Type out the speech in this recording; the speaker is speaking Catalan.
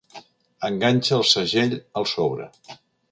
Enganxa el segell al sobre.